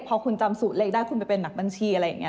พอคุณจำสูตรเลขได้คุณไปเป็นนักบัญชีอะไรอย่างนี้